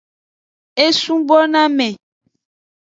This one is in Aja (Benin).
E subo na me.